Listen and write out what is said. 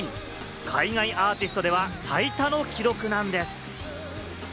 海外アーティストでは最多の記録なんです。